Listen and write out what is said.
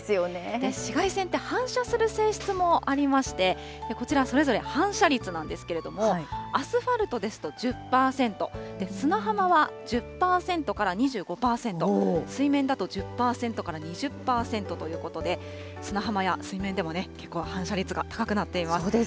紫外線って反射する性質もありまして、こちら、それぞれ反射率なんですけれども、アスファルトですと１０％、砂浜は１０％から２５％、水面だと１０％から２０％ということで、砂浜や水面でもけっこう反射率が高くなっています。